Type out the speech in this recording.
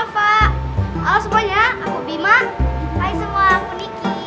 halo semuanya aku bima